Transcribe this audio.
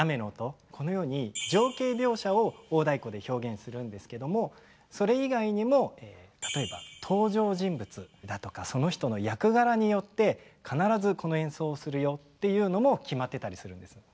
このように情景描写を大太鼓で表現するんですけどもそれ以外にも例えば登場人物だとかその人の役柄によって必ずこの演奏をするよっていうのも決まってたりするんです。